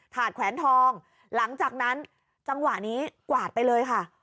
ถาดแขวนทองหลังจากนั้นจังหวะนี้กวาดไปเลยค่ะ